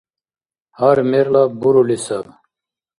Гьар мерлаб бурули саб.